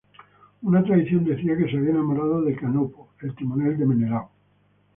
Una tradición decía que se había enamorado de Canopo, el timonel de Menelao.